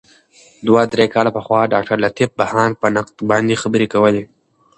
دوه درې کاله پخوا ډاګټرلطیف بهاند په نقد باندي خبري کولې.